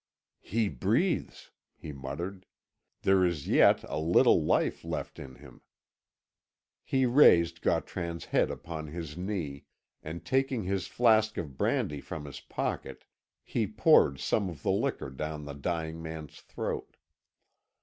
"He breathes," he muttered, "there is yet a little life left in him." He raised Gautran's head upon his knee, and taking his flask of brandy from his pocket, he poured some of the liquor down the dying man's throat.